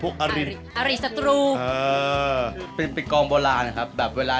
เกิดกองทัพขึ้นมา